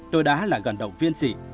tôi đã là gần động viên chị